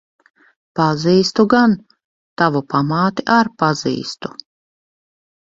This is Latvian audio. Pazīstu gan. Tavu pamāti ar pazīstu.